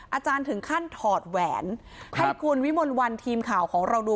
อาจารย์ถึงขั้นถอดแหวนให้คุณวิมลวันทีมข่าวของเราดู